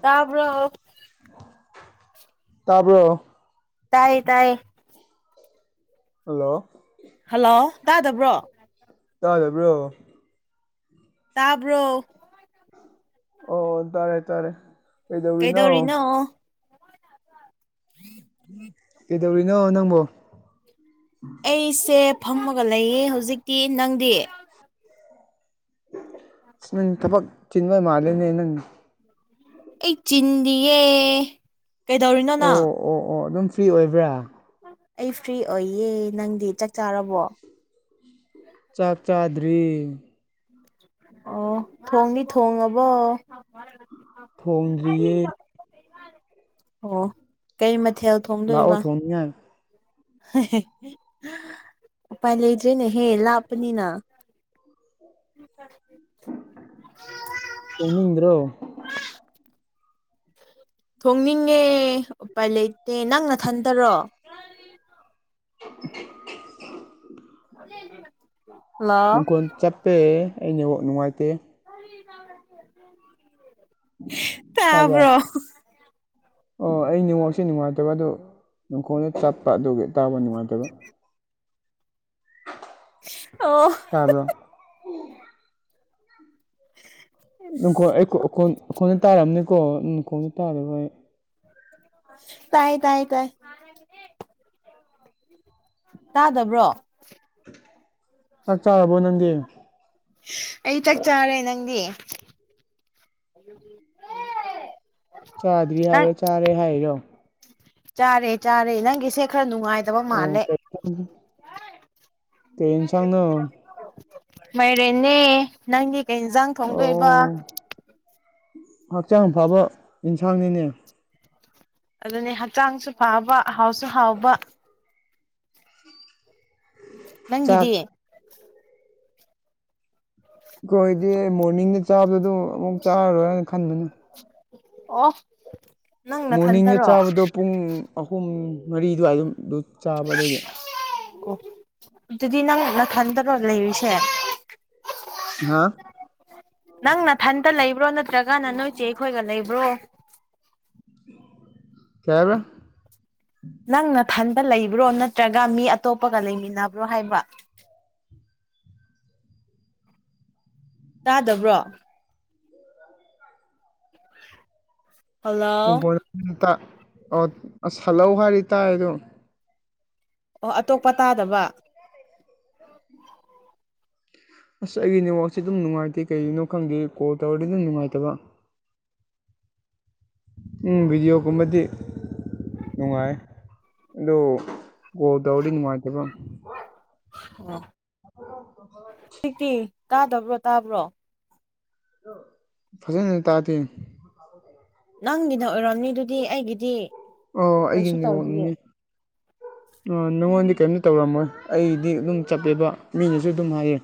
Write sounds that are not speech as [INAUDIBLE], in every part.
ꯇꯥꯕ꯭ꯔꯣ ꯇꯔꯕꯣ ꯇꯥꯏꯌꯦ ꯇꯥꯏꯌꯦ ꯍꯜꯂꯣ ꯍꯜꯂꯣ ꯇꯥꯗꯕ꯭ꯔꯣ ꯇꯥꯖꯕ꯭ꯔꯣ ꯇꯥꯕ꯭ꯔꯣ ꯑꯣ ꯇꯥꯔꯦ ꯇꯥꯔꯦ ꯀꯩꯗꯧꯔꯤꯅꯣ ꯎꯝ ꯎꯝ ꯀꯩꯗꯧꯔꯤꯅꯣ ꯅꯪꯕꯣ ꯑꯩꯁꯦ ꯐꯝꯃꯒ ꯂꯩꯌꯦ ꯍꯧꯖꯤꯛꯇꯤ ꯅꯪꯗꯤ ꯑ ꯅꯪ ꯊꯕꯛ ꯆꯤꯟꯕ ꯃꯥꯂꯦꯅꯦ ꯅꯪ ꯑꯩ ꯆꯤꯟꯗꯤꯌꯦ ꯀꯩꯗꯧꯔꯤꯅꯣ ꯅꯪ ꯑꯣ ꯑꯣ ꯑꯣ ꯑꯗꯨꯝ ꯐ꯭ꯔꯤ ꯑꯣꯏꯕ꯭ꯔꯥ ꯑꯩ ꯐ꯭ꯔꯤ ꯑꯣꯏꯌꯦ ꯅꯪꯗꯤ ꯆꯥꯛ ꯆꯥꯔꯕꯣ ꯆꯥꯛ ꯆꯥꯗ꯭ꯔꯤ ꯑꯣ ꯊꯣꯡꯅꯤ ꯊꯣꯡꯉꯕ ꯊꯣꯡꯗ꯭ꯔꯤꯌꯦ ꯑꯣ ꯀꯩ ꯃꯊꯦꯜ ꯂꯥꯛꯑꯣ ꯊꯣꯡꯗꯣꯏꯕ ꯊꯣꯡꯅꯤꯡꯉꯥꯏ ꯎꯄꯥꯏ ꯂꯩꯖꯦꯅꯦ ꯍꯦ ꯂꯥꯄꯅꯤꯅ [INAUDIBLE] ꯇꯨꯝꯅꯤꯡꯗ꯭ꯔꯣ ꯊꯣꯡꯅꯤꯡꯉꯦ ꯎꯄꯥꯏ ꯂꯩꯇꯦ ꯅꯪ ꯅꯊꯟꯗꯔꯣ [INAUDIBLE] [INAUDIBLE] ꯅꯨꯡꯈꯣꯟ ꯆꯠꯄꯦ ꯑꯩꯩꯅ ꯅꯨꯡꯉꯥꯏꯇꯦ ꯇꯥꯕ꯭ꯔꯥ ꯇꯥꯕꯔꯣ ꯑꯣ ꯑꯩ ꯅꯦꯠꯌꯥꯛꯁꯦ ꯅꯨꯡꯉꯥꯏꯇꯕ ꯑꯗꯨ ꯅꯨꯡꯈꯣꯡꯗ ꯆꯠꯄ ꯑꯗꯨꯒꯤ ꯇꯥꯎꯕ ꯅꯨꯡꯉꯥꯏꯇꯕ ꯑꯣ ꯇꯥꯕ꯭ꯔꯣ ꯅꯨꯡꯈꯣꯡ ꯑꯩ ꯑꯩꯈꯣꯏꯗ ꯇꯥꯔꯝꯅꯤꯀꯣ ꯅꯈꯣꯡꯗ ꯇꯥꯔꯣꯏ ꯇꯥꯏ ꯇꯥꯏ ꯇꯥꯏ ꯇꯥꯗꯕ꯭ꯔꯣ ꯆꯥꯛꯆꯔꯕꯣ ꯅꯪꯗꯤ ꯑꯩ ꯆꯥꯛ ꯆꯥꯔꯦ ꯅꯪꯗꯤ ꯆꯥꯗ꯭ꯔꯤ ꯅꯪ ꯍꯥꯏꯔꯣ ꯆꯥꯔꯦ ꯍꯥꯏꯔꯣ ꯆꯥꯔꯦ ꯆꯥꯔꯦ ꯅꯪꯒꯤꯁꯦ ꯈꯔ ꯅꯨꯡꯉꯥꯏ ꯑꯗ ꯑꯣ ꯃꯥꯂꯦ꯫ ꯀꯩ ꯀꯩ ꯌꯦꯟꯁꯥꯡꯅꯣ ꯃꯥꯏꯔꯦꯟꯅꯦ ꯅꯪꯗꯤ ꯀꯩ ꯏꯟꯁꯥꯡ ꯊꯣꯡꯗꯣꯏꯕ ꯑꯣ ꯍꯛꯆꯥꯡ ꯐꯕ ꯌꯦꯟꯁꯥꯡꯅꯤꯅꯦ꯫ ꯑꯗꯨꯅꯤ ꯍꯛꯆꯥꯡꯁꯨ ꯐꯕ ꯑꯍꯥꯎꯁꯨ ꯍꯥꯎꯕ ꯆꯥꯛ ꯅꯪꯒꯤꯗꯤ꯫ ꯀꯣꯏꯗꯤ ꯃꯣꯔꯅꯤꯡꯗ ꯆꯥꯕꯗꯨ ꯑꯃꯨꯛ ꯆꯥꯔꯔꯣꯏꯅ ꯈꯟꯕꯅꯤ꯫ ꯑꯣ ꯃꯣꯔꯅꯤꯡꯗ ꯅꯪꯅꯊꯟꯊꯔꯣ ꯆꯥꯕꯗꯣ ꯄꯨꯡ ꯑꯍꯨꯝ ꯃꯔꯤ ꯑꯗꯨꯋꯥꯏ ꯑꯗꯨꯝ ꯑꯗꯨ ꯆꯥꯕ ꯑꯗꯨꯒꯤ ꯑꯣ ꯗꯨꯗꯤ ꯅꯪ ꯅꯊꯟꯗꯔꯣ ꯂꯩꯔꯤꯁꯦ꯫ ꯍꯥ ꯅꯪ ꯅꯊꯟꯇ ꯂꯩꯕ꯭ꯔꯣ ꯅꯠꯇ꯭ꯔꯒꯅ ꯅꯣꯏꯆꯦ ꯑꯩꯈꯣꯏꯒ ꯂꯩꯕ꯭ꯔꯣ? ꯀꯩꯍꯕꯥ ꯅꯪ ꯅꯊꯟꯗ ꯂꯩꯕ꯭ꯔꯣ ꯅꯠꯇ꯭ꯔꯒ ꯃꯤ ꯑꯇꯣꯞꯄꯒ ꯂꯩꯃꯤꯟꯅꯕ꯭ꯔꯣ ꯍꯥꯏꯕ ꯇꯥꯗꯕ꯭ꯔꯣ [INAUDIBLE] ꯑꯁ ꯍꯥꯂꯧ ꯍꯥꯏꯗꯤ ꯇꯥꯏ ꯑꯗꯣ ꯑꯣ ꯑꯇꯣꯞꯄ ꯇꯥꯗꯕ ꯑꯁ ꯑꯩꯒꯤ ꯅꯦꯠꯋꯥꯛꯁꯦ ꯑꯗꯨꯝ ꯅꯨꯡꯉꯥꯏꯇꯦ ꯀꯩꯒꯤꯅꯣ ꯈꯪꯗꯦ ꯀꯣꯜ ꯇꯧꯔꯗꯤ ꯑꯗꯨꯝ ꯅꯨꯡꯉꯥꯏꯇꯕ ꯎꯝ ꯕꯤꯗꯤꯑꯣ ꯀꯨꯝꯕꯗꯤ ꯅꯨꯡꯉꯥꯏ ꯑꯗꯨ ꯀꯣꯜ ꯇꯧꯔꯗꯤ ꯅꯨꯡꯉꯥꯏꯇꯕ ꯑꯣ [INAUDIBLE] ꯍꯧꯖꯤꯛꯇꯤ ꯇꯥꯗꯕ꯭ꯔꯣ ꯇꯥꯕ꯭ꯔꯣ ꯐꯖꯅ ꯇꯥꯗꯦ꯫ ꯅꯪꯒꯤꯅ ꯑꯣꯏꯔꯝꯅꯤ ꯗꯨꯗꯤ ꯑꯩꯒꯤꯗꯤ ꯑꯣ ꯀꯩꯁꯨ ꯇꯧꯗꯤꯌꯦ ꯑꯩꯒꯤꯡꯅꯦꯅꯤꯡꯅꯤ ꯑ ꯅꯪꯉꯣꯟꯗꯤ ꯀꯩꯅꯝ ꯇꯧꯔꯝꯃꯣꯏ ꯑꯩꯗꯤ ꯑꯗꯨꯝ ꯆꯠꯄꯦꯕ ꯃꯤꯅꯁꯨ ꯑꯗꯨꯝ ꯍꯥꯏꯌꯦ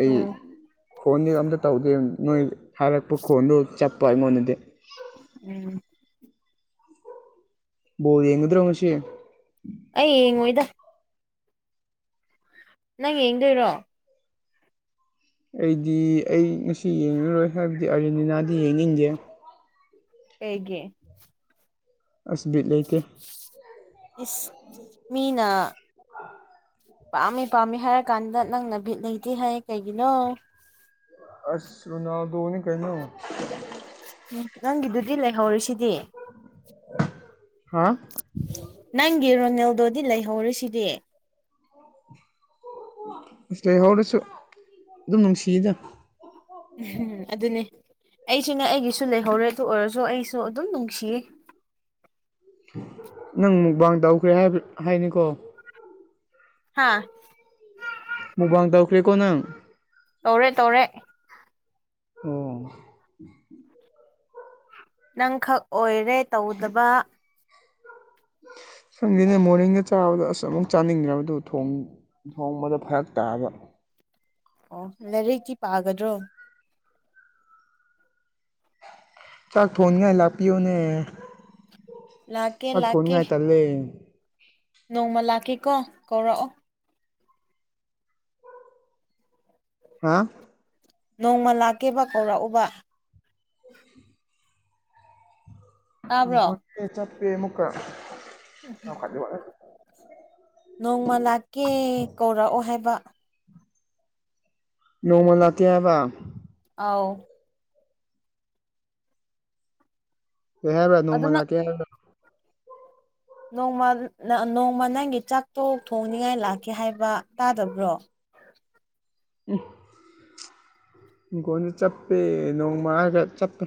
ꯑꯩ ꯎꯝ ꯈꯣꯟꯗꯤ ꯑꯝꯇ ꯇꯧꯗꯦ ꯅꯣꯏ ꯍꯥꯏꯔꯛꯄ ꯈꯣꯟꯗꯨ ꯆꯠꯄ ꯑꯩꯉꯣꯟꯗꯗꯤ ꯎꯝ ꯕꯣꯜ ꯌꯦꯡꯒꯗꯔꯣꯉꯁꯤ꯫ ꯑꯩ ꯌꯦꯡꯉꯣꯏꯗ ꯅꯪ ꯌꯦꯡꯗꯣꯏꯔꯣ ꯑꯩꯗꯤ ꯑꯩ ꯉꯁꯤ ꯌꯦꯡꯉꯔꯣꯏ ꯍꯥꯏꯕꯗꯤ ꯑꯔꯖ°ꯟꯇꯤꯅꯥꯗꯤ ꯌꯦꯡꯅꯤꯡꯗꯦ ꯑꯩꯒꯤꯦ ꯑꯁ ꯕꯤꯠ ꯂꯩꯇꯦ ꯏꯁ ꯃꯤꯅ ꯄꯥꯝꯃꯤ ꯄꯥꯝꯃꯤ ꯍꯥꯏꯔ ꯀꯥꯟꯗ ꯅꯪꯅ ꯕꯤꯠ ꯂꯩꯇꯦ ꯍꯥꯏ ꯀꯩꯒꯤꯅꯣ ꯑꯁꯁꯨ ꯔꯅꯥ ꯇꯣꯅꯤ ꯀꯩꯅ ꯎꯝ ꯅꯪ ꯑꯗꯨꯗꯤ ꯂꯩꯦ ꯍꯔ ꯍꯥ ꯅꯪꯒꯤ ꯔꯣꯅꯦꯜꯗꯣꯗꯤ ꯂꯩꯍꯧꯔꯤꯦꯁꯤꯗꯤ ꯁ ꯂꯩꯍꯧꯔꯁꯨ ꯑꯗꯨꯝ ꯅꯨꯡꯁꯤꯌꯦꯗ ꯎꯝ ꯑꯗꯨꯅꯤ ꯑꯩꯁꯨꯅ° ꯑꯩꯒꯤꯁꯨ ꯂꯩꯍꯧꯔꯦ ꯑꯗꯨ ꯑꯣꯏꯔꯁꯨ ꯑꯩꯁꯨ ꯑꯗꯨꯝ ꯅꯨꯡꯁꯤꯌꯦ ꯅꯪ ꯃꯨꯛꯕꯥꯥꯡ ꯇꯧꯈ꯭ꯔꯦ ꯍꯥꯏꯕ ꯍꯥꯏꯅꯤꯀꯣ ꯍꯥꯥ ꯃꯨꯕꯥꯥꯡ ꯗꯗꯥꯎꯈ꯭ꯦꯀꯣ ꯅꯪ ꯇꯧꯔꯦ ꯇꯧꯔꯦ ꯑꯣ ꯅꯪꯈꯛ ꯑꯣꯏꯔꯦ ꯇꯧꯗꯕ ꯁꯪꯁꯤꯅꯦ ꯃꯣꯔꯅꯤꯡꯗ ꯆꯥꯕꯗ ꯑꯁ ꯑꯃꯨꯛ ꯆꯥꯅꯤꯡꯈ꯭ꯔꯕꯗꯨ ꯊꯣꯡ ꯊꯣꯡꯕꯗ ꯐꯔꯛ ꯇꯥꯕ ꯑꯣ ꯂꯥꯏꯔꯤꯛꯇꯤ ꯄꯥꯒꯗ꯭ꯔꯣ ꯆꯥꯛ ꯊꯣꯡꯉꯥꯏ ꯂꯥꯛꯄꯤꯌꯣꯅꯦ ꯂꯥꯛꯀꯦ ꯆꯥꯛ ꯂꯥꯛꯀꯦ ꯊꯣꯡꯉꯥꯏ ꯇꯜꯂꯦ ꯅꯣꯡꯃ ꯂꯥꯛꯀꯦꯀꯣ ꯀꯧꯔꯛꯑꯣ ꯍꯥ ꯅꯣꯡꯃ ꯂꯥꯛꯀꯦꯕ ꯀꯧꯔꯛꯎꯕ ꯇꯥꯕ꯭ꯔꯣ ꯒꯣꯠꯇ° ꯆꯠꯄꯦ ꯃꯨꯛꯀ ꯈ ꯅꯣꯡꯃ ꯂꯥꯛꯀꯦ ꯀꯧꯔꯛꯑꯣ ꯍꯥꯏꯕ ꯅꯣꯡꯃ ꯂꯥꯛꯀ° ꯍꯥꯏꯕ ꯑꯥꯎ ꯀꯩꯍꯥꯏꯕ ꯑꯗꯨ ꯅꯣꯡꯃ ꯅꯪ ꯂꯛꯀꯦ ꯍꯥꯏꯕꯔꯥ ꯅꯣꯡꯃ ꯅꯣꯡꯃ ꯅꯪꯒꯤ ꯆꯥꯛꯇꯣ ꯊꯣꯡꯅꯤꯡꯉꯥꯏ ꯂꯥꯛꯀꯦ ꯍꯥꯏꯕ ꯇꯥꯗꯕ꯭ꯔꯣ ꯎꯝ ꯏꯤꯡꯈꯣꯟꯁꯨ ꯆꯞꯄꯦ ꯅꯣꯡꯃꯒ ꯆꯠꯄ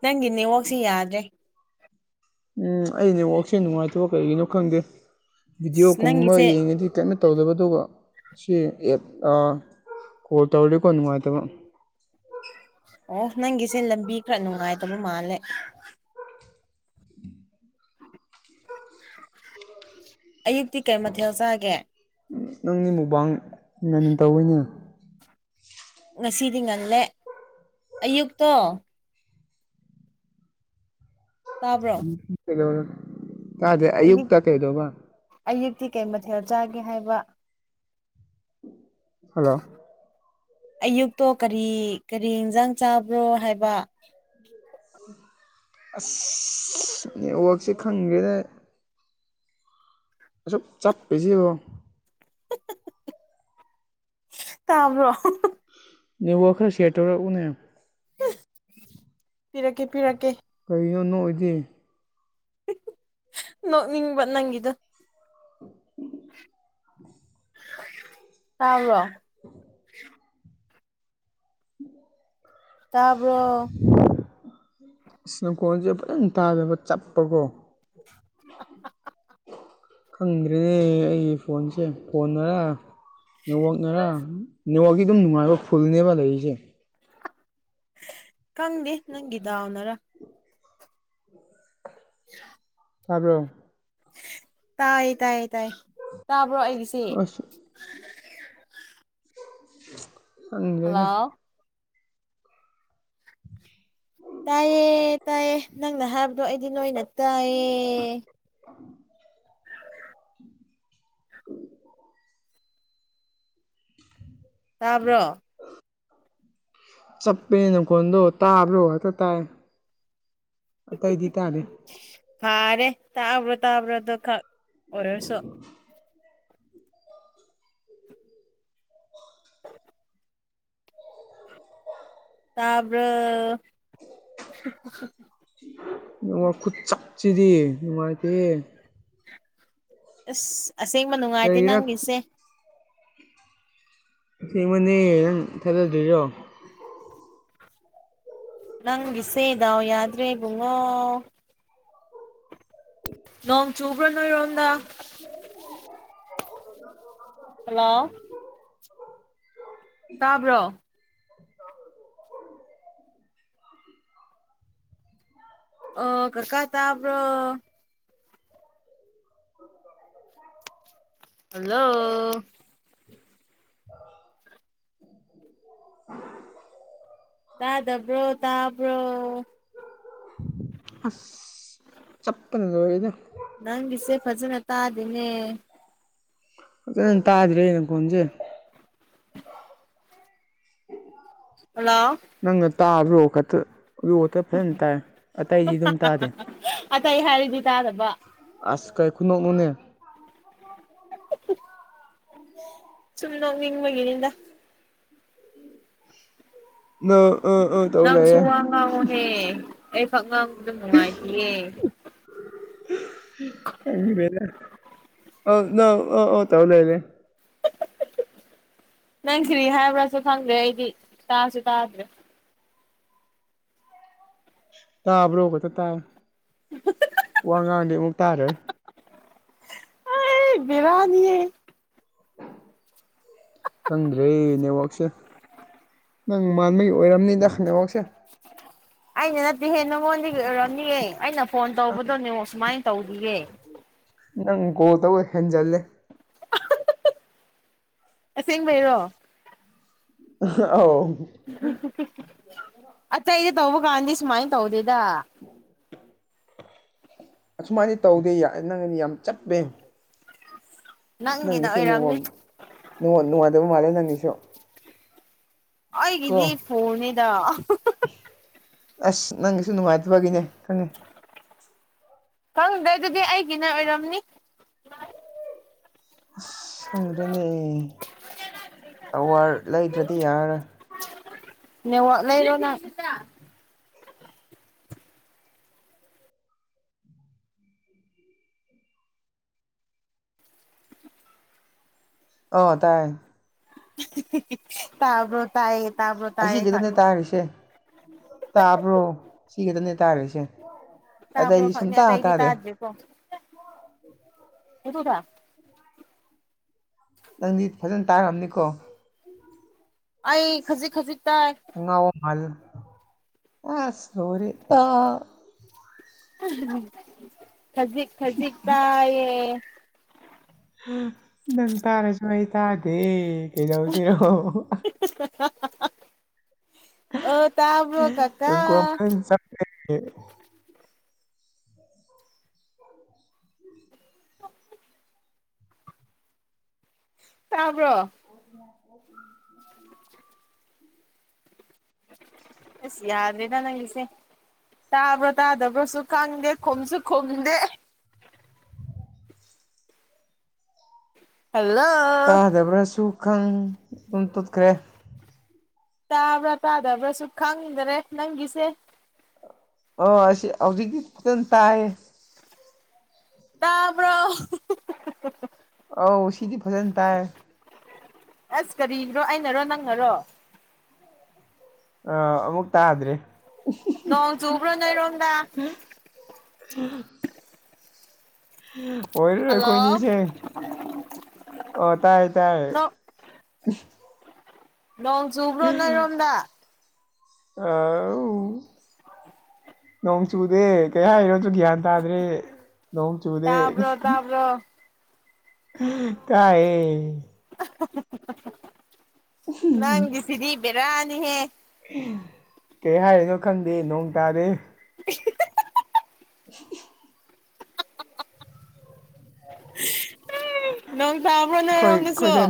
ꯅꯪꯒꯤ ꯅꯦꯠꯋꯥꯛꯁꯤꯦ ꯌꯥꯗ꯭ꯔꯦ ꯎꯝ ꯑꯩ ꯅꯋꯥꯛꯁꯦ ꯅꯨꯡꯉꯥꯏꯇꯕ ꯀꯔꯤꯒꯤꯅꯣ ꯈꯪꯗꯦ ꯑꯁ ꯕꯤꯗꯤꯑꯣꯒꯨꯝꯕ ꯅꯪꯒꯤꯁꯦ ꯌꯦꯡꯉꯗꯤ ꯀꯟꯅ ꯇꯧꯗꯕꯗꯨ ꯁꯤ ꯑꯦ ꯀꯣꯜ ꯇꯧꯔꯔꯦꯀꯣ ꯅꯨꯡꯉꯥꯏꯇꯕ ꯑꯣ ꯅꯪꯒꯤꯁꯦ ꯂꯝꯕꯤ ꯈꯔ ꯅꯨꯡꯉꯥꯏꯇꯕ ꯃꯥꯜꯂꯦ ꯑꯌꯨꯛꯇꯤ ꯀꯩ ꯃꯊꯦꯜ ꯆꯥꯒꯦ ꯅꯪꯒꯤ ꯃꯨꯛꯕꯥꯡ ꯉꯅ ꯇꯧꯋꯤꯅꯦ ꯉꯁꯤꯗꯤ ꯉꯜꯂꯦ ꯑꯌꯨꯛꯇꯣ ꯇꯥꯕ꯭ꯔꯣ ꯀꯥꯗ ꯑꯌꯨꯛ ꯑꯌꯨꯛꯇꯛꯇ ꯀꯩꯗꯧꯧꯕ ꯑꯌꯨꯛꯇꯤ ꯀꯩ ꯃꯊꯦꯜ ꯆꯥꯒꯦ ꯍꯥꯏꯕ ꯍꯜꯂꯣ ꯑꯌꯨꯛꯇꯣ ꯀꯔꯤ ꯀꯔꯤ ꯏꯟꯁꯥꯡ ꯆꯥꯕ꯭ꯔꯣ ꯍꯥꯏꯕ ꯑꯁ ꯅꯦꯠꯋꯥꯛꯁꯦ ꯈꯪꯒꯦꯗ ꯑꯁꯨꯛ ꯆꯞ ꯄꯤꯁꯤꯔꯣ ꯇꯥꯕ꯭ꯔꯣ ꯅꯋ ꯈꯔ ꯁꯤꯌꯦꯇꯔ ꯎꯅꯦ ꯄꯤꯔꯛꯀꯦ ꯄꯤꯔꯛꯀꯦ ꯀꯔꯤꯒꯤꯅꯣꯅꯣ ꯑꯣꯏꯗꯦ ꯅꯣꯛꯅꯤꯡꯕ ꯅꯪꯒꯤꯗ ꯇꯥꯕ꯭ꯔꯣ ꯇꯥꯕ꯭ꯔꯣ ꯏꯁꯅꯣꯀꯣꯜꯁꯦ ꯐꯖꯅ ꯇꯥꯗꯕ ꯆꯞꯄꯀꯣ [UNINTELLIGIBLE] ꯈꯪꯗ꯭ꯔꯦꯅꯦ ꯑꯩꯒꯤ ꯐꯣꯟꯁꯦ ꯐꯣꯟꯅꯔ ꯅꯦꯠꯋꯥꯛꯅꯔꯥ ꯅꯦꯠꯋꯥꯛꯀꯤ ꯑꯗꯨꯝ ꯅꯨꯡꯉꯥꯏꯕ ꯐꯨꯜꯅꯦꯕ ꯂꯩꯔꯤꯁꯦ ꯀꯪꯗꯦ ꯅꯪꯒꯤ ꯗꯥꯎꯅꯔꯥ [UNINTELLIGIBLE] ꯇꯥꯕ꯭ꯔꯣ ꯇꯥꯏꯌꯦ ꯇꯥꯏꯌꯦ ꯇꯥꯏ ꯇꯥꯕ꯭ꯔꯣ ꯑꯩꯒꯤꯁꯦ ꯑꯁ ꯈꯪꯗꯦꯅꯦ ꯍꯜꯂꯣ [UNINTELLIGIBLE] ꯇꯥꯏꯌꯦ ꯇꯥꯏꯌꯦ ꯅꯪꯅ ꯍꯥꯏꯕꯗꯣ ꯑꯩꯗꯤ ꯅꯣꯏꯅ ꯇꯥꯏꯌꯦ ꯇꯥꯕ꯭ꯔꯣ ꯆꯞꯄꯦꯅꯦ ꯅꯈꯣꯟꯗꯣ ꯇꯥꯕ꯭ꯔꯣ ꯍꯦꯛꯇ ꯇꯥꯏ ꯑꯇꯩꯗꯤ ꯇꯥꯗꯦ ꯐꯥꯔꯦ ꯇꯥꯕ꯭ꯔꯣ ꯇꯥꯕ꯭ꯔꯣ ꯑꯗꯨꯈꯛ ꯑꯣꯏꯔꯁꯨ [UNINTELLIGIBLE] [UNINTELLIGIBLE] ꯇꯥꯕ꯭ꯔꯣ ꯅꯦꯠꯋꯥꯛ ꯈꯨꯠꯆꯞꯁꯤꯗꯤ ꯅꯨꯡꯉꯥꯏꯇꯦꯍꯦ ꯑꯁ ꯑꯁꯦꯡꯕ ꯅꯨꯡꯉꯥꯏꯇꯦ ꯀꯔꯤꯔ ꯅꯪꯒꯤꯁꯦ ꯑꯁꯦꯡꯃꯅꯦ ꯅꯪ ꯊꯥꯖꯗ꯭ꯔꯤꯔꯣ ꯅꯪꯒꯤꯁꯦ ꯗꯥꯎ ꯌꯥꯗ꯭ꯔꯦ ꯕꯨꯡꯉꯣ ꯅꯣꯡ ꯆꯨꯕ꯭ꯔꯣ ꯅꯣꯏꯔꯣꯝꯗꯥ ꯍꯜꯂꯣ ꯇꯥꯕ꯭ꯔꯣ ꯑ ꯀꯀꯥ ꯇꯥꯥꯕ꯭ꯔꯣ ꯍꯜꯂꯣ ꯇꯥꯗꯕ꯭ꯔꯣ ꯇꯥꯕ꯭ꯔꯣ ꯑꯁ ꯆꯞꯄꯅ ꯂꯣꯏꯔꯤꯗ ꯅꯪꯒꯤꯁꯦ ꯐꯖꯅ ꯇꯥꯗꯦꯅꯦ ꯐꯖꯅ ꯇꯥꯗꯔꯦ ꯅꯀꯣꯟꯁꯦ ꯍꯜꯂꯣ ꯅꯪꯅ ꯇꯥꯕ꯭ꯔꯣ ꯈꯛꯇ ꯑꯔꯨ ꯈꯇ ꯐꯖꯅ ꯇꯥꯏ ꯑꯇꯩꯗꯤ ꯑꯗꯨꯝ ꯇꯥꯗꯦ ꯑꯇꯩ ꯍꯥꯏꯔꯗꯤ ꯇꯥꯗꯕ ꯑꯁ ꯀꯥꯏ ꯈꯨꯨꯅꯣꯛꯅꯣꯅꯦ [UNINTELLIGIBLE] ꯁꯨꯝ ꯅꯣꯛꯅꯤꯡꯕꯒꯤꯅꯦꯗ ꯅ ꯑ ꯑ ꯇꯧ ꯅꯪꯁꯨ ꯂꯩꯔꯦ ꯋꯥ ꯉꯥꯡꯉꯣꯍꯦ ꯑꯩ ꯈꯛ ꯉꯥꯡꯕꯗꯣ ꯅꯨꯡꯉꯥꯏꯇꯤꯌꯦ [UNINTELLIGIBLE] ꯑ ꯅꯪ ꯑꯣ ꯑꯣ ꯇꯧꯔ ꯂꯩꯔꯦ ꯅꯪ ꯀꯤꯔꯤ ꯍꯥꯏꯕ꯭ꯔꯥꯁꯨ ꯈꯪꯗꯦ ꯑꯩꯗꯤ ꯇꯥꯁꯨ ꯇꯥꯗ꯭ꯔꯦ ꯇꯥꯕ꯭ꯔꯣ ꯈꯛꯇ ꯇꯥꯏ ꯋꯥ ꯉꯥꯡꯗꯤ ꯑꯃꯨꯛ ꯇꯥꯔꯣꯏ ꯕꯦꯔꯥꯅꯤꯌꯦ ꯈꯪꯗ꯭ꯔꯦ ꯅꯦꯠꯋꯥꯛꯁꯦ ꯅꯪ ꯃꯥꯟꯕꯒꯤ ꯑꯣꯏꯔꯝꯅꯤꯗ ꯅꯦꯠꯋꯥꯛꯁꯦ ꯑꯩꯅ ꯅꯠꯇꯦ ꯍꯦ ꯅꯪꯉꯣꯟꯗꯒꯤ ꯎꯔꯝꯅꯤꯑꯦ ꯑꯩꯅ ꯐꯣꯟ ꯇꯧꯕꯗꯣ ꯅꯦꯠꯋꯥꯛ ꯁꯨꯃꯥꯏꯅ ꯇꯧꯗꯤꯌꯦ꯫ ꯅꯪ ꯒꯣꯜ ꯇꯧꯕ ꯍꯦꯟꯖꯜꯂꯦ ꯁꯦꯡꯕꯩꯔꯣ ꯑꯥꯎ ꯑꯇꯩꯗꯤ ꯇꯧꯕ ꯀꯥꯟꯗꯤ ꯁꯨꯃꯥꯏꯅ ꯇꯧꯗꯦꯗ ꯑꯁꯨꯃꯥꯏꯗꯤ ꯇꯧꯗꯦ ꯅꯪꯗꯤ ꯌꯥꯝ ꯆꯠꯄꯩ ꯅꯪꯒꯤꯅ ꯅꯪꯅꯤꯁꯨꯣ ꯑꯣꯏꯔꯝꯅꯤ ꯅꯋ ꯅꯨꯡꯉꯗꯕ ꯃꯥꯂꯦ ꯅꯪꯅꯤꯁꯨꯣ ꯑꯒꯤꯗꯤ ꯐꯣꯟꯅꯤꯗ ꯑꯁ ꯅꯪꯒꯤꯁꯨ ꯅꯨꯡꯉꯥꯏꯇꯕꯒꯤꯅꯦ ꯈꯪꯉ ꯈꯪꯗꯩ ꯑꯗꯨꯗꯤ ꯑꯩꯒꯤꯅ ꯑꯣꯏꯔꯝꯅꯤ ꯑꯁ ꯁꯪꯗ꯭ꯔꯅꯦ ꯑꯋꯥꯔ ꯂꯩꯗ꯭ꯔꯗꯤ ꯌꯥꯔꯦ ꯅ ꯋꯥꯠ ꯂꯩꯔꯣꯅ ꯑ ꯇꯥꯏ ꯇꯕ ꯇꯥꯏ ꯑꯁꯤ ꯇꯅꯦ ꯇꯥꯈ꯭ꯔꯤꯁꯦ ꯇꯥꯕ꯭ꯔꯣ ꯁꯤ ꯇꯅꯦ ꯇꯥꯈ꯭ꯔꯤꯁꯦ ꯑꯗ ꯑꯩꯗꯤ ꯁꯨꯝ ꯇꯥꯇꯥꯥꯔꯦ ꯀ ꯌꯦ ꯀꯗ ꯅꯪꯗꯤ ꯐꯖꯅ ꯇꯥꯈ꯭ꯔꯕꯅꯤꯀꯣ ꯑꯩ ꯈꯖꯤꯛ ꯈꯖꯤꯛꯇꯥꯏ ꯜ ꯑ ꯁꯔꯤꯦ ꯇ ꯈꯖꯤꯛ ꯈꯖꯤꯛ ꯇꯥꯏꯌꯦ ꯅꯪ ꯇꯥꯔꯁꯨ ꯑꯩ ꯇꯥꯗꯦ ꯀꯩꯗꯧꯁꯤꯔꯣ ꯑꯣ ꯇꯥꯕꯕꯣ ꯀꯀ ꯎ ꯇꯕ꯭ꯔꯣ ꯃ ꯑꯁ ꯌꯥꯗ ꯂꯩ ꯇꯅꯪ ꯂꯤꯁꯦ ꯇꯥꯕ꯭ꯔꯥ ꯇꯥꯗꯕ꯭ꯔꯁꯨ ꯈꯪꯗꯦ ꯈꯣꯨꯝꯁꯨ ꯈꯣꯨꯝꯗꯦ ꯍꯗ ꯇꯥꯗꯕ꯭ꯔꯁꯨ ꯈꯪ ꯑꯗꯨꯝ ꯇꯨꯠꯈ꯭ꯔꯦ ꯇꯥꯕ꯭ꯔꯥ ꯇꯥꯗꯕ꯭ꯔꯥꯁꯨ ꯈꯥꯡꯅꯤꯡꯗꯔꯦ ꯅꯪꯒꯤꯁꯦ ꯑꯣ ꯑꯁꯤ ꯍꯧꯖꯤꯛꯇꯤ ꯈꯤꯇꯪ ꯇꯥꯏꯌꯦ ꯇꯥꯕ꯭ꯔꯣ ꯑꯧ ꯁꯤꯗꯤ ꯐꯖꯅ ꯇꯥꯏ ꯑꯁ ꯀ꯭ꯔꯣ ꯑꯩꯅꯔꯣ ꯅꯪꯅꯔꯣ ꯑꯃꯨꯛ ꯇꯥꯗ꯭ꯔꯦ ꯅꯖ ꯎꯕ꯭ꯔꯣ ꯅ ꯏꯔꯣꯗ ꯎꯝ ꯎꯝ ꯑꯣꯏꯔꯔꯣꯏ ꯍꯜꯂꯣ ꯑꯩꯈꯣꯏꯅꯤꯁꯦ ꯑꯣ ꯇꯥꯏ ꯇꯥꯏꯌꯦ ꯅꯣꯡ ꯆꯨꯕ꯭ꯔꯣ ꯅꯔꯣꯝꯗ ꯑ ꯅꯣꯡ ꯆꯨꯗꯦ ꯀꯩ ꯍꯥꯏꯔꯣ ꯅꯠꯇ꯭ꯔꯣ ꯒ꯭ꯌꯥꯟ ꯇꯥꯗ꯭ꯔꯦ ꯅꯣꯡꯣꯡ ꯆꯨꯗꯦ ꯔꯣ ꯇꯑꯌꯦ ꯅꯪꯗꯤ ꯁꯤꯗꯤ ꯏꯕꯦꯔꯥꯅꯤꯍꯦ ꯀꯩ ꯍꯥꯏꯔꯤꯅꯣ ꯈꯪꯗꯦ ꯅꯣꯡ ꯇꯥꯗꯦ ꯑꯤ ꯍꯤ ꯍꯤꯍꯤ ꯎ ꯅꯣꯡ ꯇꯥꯕ꯭ꯔꯣ ꯑꯩꯈꯣꯏ ꯅꯔꯣꯡꯗꯁꯨ ꯑꯩꯈꯣꯏꯗ ꯅꯣꯡ